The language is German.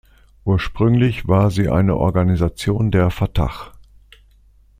Ursprünglich war sie eine Organisation der Fatah.